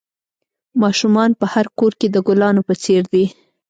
ماشومان په هر کور کې د گلانو په څېر دي.